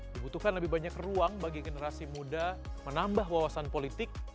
dibutuhkan lebih banyak ruang bagi generasi muda menambah wawasan politik